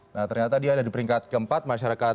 nah ternyata dia ada di peringkat keempat masyarakat